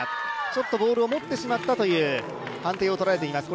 ちょっとボールを持ってしまったという判定を取られています。